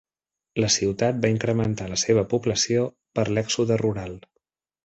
La ciutat va incrementar la seva població per l'èxode rural.